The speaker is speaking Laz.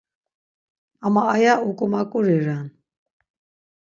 Ama aya uǩumaǩuri ren.